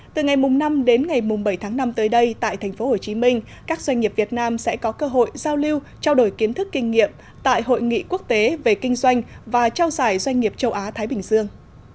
từ ngày năm đến ngày bảy tháng năm tới đây tại tp hcm các doanh nghiệp việt nam sẽ có cơ hội giao lưu trao đổi kiến thức kinh nghiệm tại hội nghị quốc tế về kinh doanh và trao giải doanh nghiệp châu á thái bình dương